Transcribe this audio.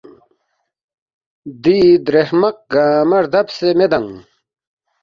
دی درے ہرمق گنگمہ ردبسے میدانگ